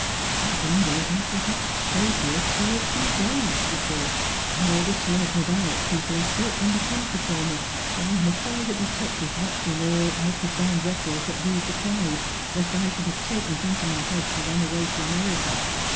" I wonder if I shall have to stay here two or three days," she thought, " while all the Slogh na Dyack people are searching the country for me, and a private detective watching all outward bound vessels that leave the Clyde, lest I should have taken it in my head to run away to America